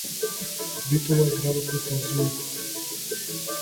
Битола е градот на конзулите.